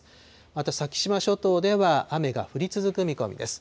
また、先島諸島では雨が降り続く見込みです。